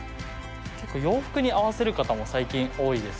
洋服に合わせる方も最近多いです